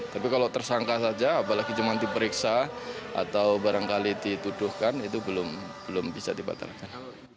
tapi kalau tersangka saja apalagi cuma diperiksa atau barangkali dituduhkan itu belum bisa dibatalkan